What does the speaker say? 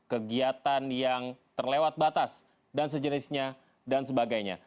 kegiatan yang terlewat batas dan sejenisnya dan sebagainya